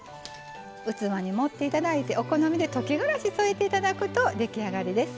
器に盛っていただいてお好みで溶きがらしを添えていただくと出来上がりです。